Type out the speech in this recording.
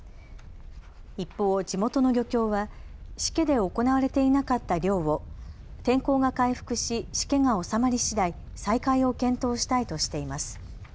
一方、地元の漁協はしけで行われていなかった漁を天候が回復ししけが収まりしだい再開を検討したいとしています。